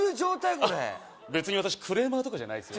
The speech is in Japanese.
これ別に私クレーマーとかじゃないです